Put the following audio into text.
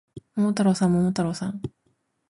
桃太郎さん、桃太郎さん